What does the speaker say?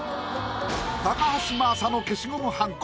高橋真麻の消しゴムはんこ